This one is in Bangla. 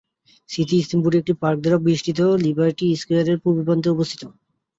স্মৃতিস্তম্ভটি একটি পার্ক দ্বারা বেষ্টিত, লিবার্টি স্কোয়ারের পূর্ব প্রান্তে অবস্থিত।